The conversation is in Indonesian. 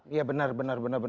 iya benar benar benar